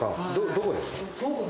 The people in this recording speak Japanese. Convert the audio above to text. どこですか？